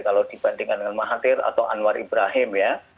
kalau dibandingkan dengan mahathir atau anwar ibrahim ya